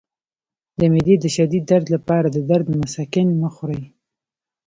د معدې د شدید درد لپاره د درد مسکن مه خورئ